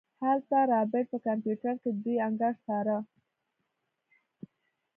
هلته رابرټ په کمپيوټر کې د دوئ انګړ څاره.